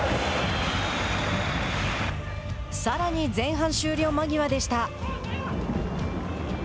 さらに、前半終了間際でした。